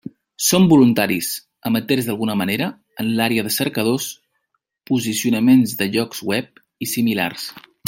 Som voluntaris, amateurs d'alguna manera, en l'àrea de cercadors, posicionaments de llocs web i similars.